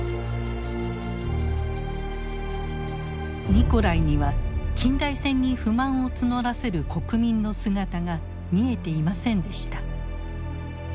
ニコライには近代戦に不満を募らせる国民の姿が見えていませんでした。